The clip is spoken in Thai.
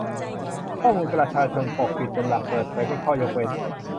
ข้อมูลประชาชน : ปกปิดเป็นหลัก เปิดเผยเป็นข้อยกเว้น